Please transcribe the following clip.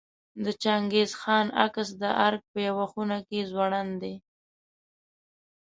د چنګیز خان عکس د ارګ په یوه خونه کې ځوړند دی.